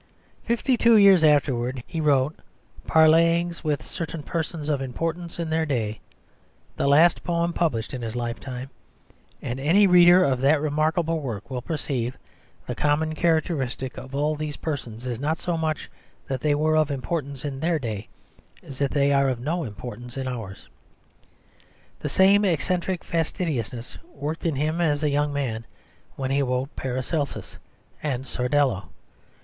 Fifty two years afterwards he wrote Parleyings with certain Persons of Importance in their Day, the last poem published in his lifetime; and any reader of that remarkable work will perceive that the common characteristic of all these persons is not so much that they were of importance in their day as that they are of no importance in ours. The same eccentric fastidiousness worked in him as a young man when he wrote Paracelsus and Sordello.